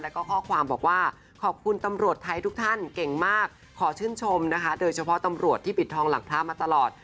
แล้วก็ข้อความบอกว่าขอบคุณตำรวจไทยทุกท่านเก่งมากขอชื่นชมนะคะโดยเฉพาะตำรวจที่ปิดทองหลังพระมาตลอด